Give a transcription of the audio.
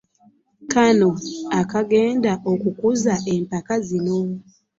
Kano akagenda okukuza empaka zino